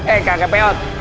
eh kagak peot